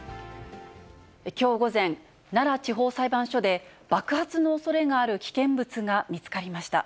きょう午前、奈良地方裁判所で爆発のおそれがある危険物が見つかりました。